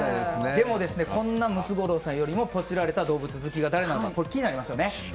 でも、こんなムツゴロウさんよりもポチられた動物好きが誰なのか気になります。